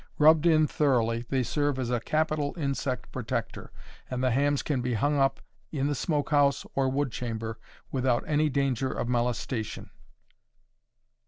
Rubbed in thoroughly they serve as a capital insect protector, and the hams can be hung up in the smoke house or wood chamber without any danger of molestation.